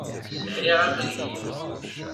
Sɛiɣ amrig.